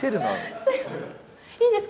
いいんですか？